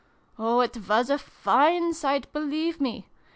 Oh, it was a fine sight, believe me